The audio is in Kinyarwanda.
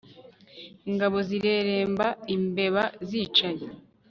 ingabo zireremba, imbeba zicaye